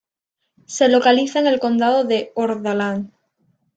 Se localiza en el condado de Hordaland.